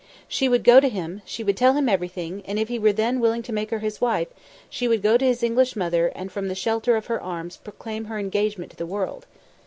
She would go to him; she would tell him everything, and if he were then willing to make her his wife, she would go to his English mother, and from the shelter of her arms proclaim her engagement to the world.